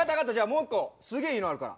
もう一個すげえいいのあるから。